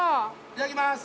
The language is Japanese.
いただきます。